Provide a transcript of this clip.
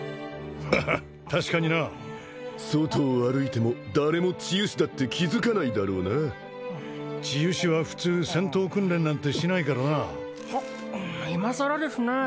フッ確かにな外を歩いても誰も治癒士だって気づかないだろうな治癒士は普通戦闘訓練なんてしないからな今さらですね